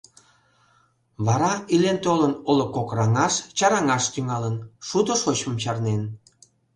Вара, илен-толын, олык кокраҥаш, чараҥаш тӱҥалын, шудо шочмым чарнен.